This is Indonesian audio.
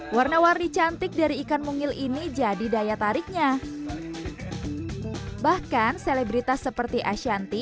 warna warni cantik dari ikan mungil ini jadi daya tariknya bahkan selebritas seperti ashanti